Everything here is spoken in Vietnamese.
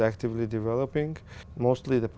chỉ là hai mươi năm năm